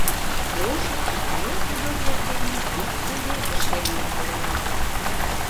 Ожно ме тудо вер дене ик уездыште лийын улына.